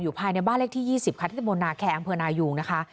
อยู่ภายในบ้านเลขที่ยี่สิบคติศบทนาแขนอังเภอนายุงนะคะ